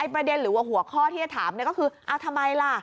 ประเด็นหรือว่าหัวข้อที่จะถามก็คือเอาทำไมล่ะ